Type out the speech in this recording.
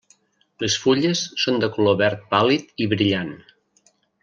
Les fulles són de color verd pàl·lid i brillant.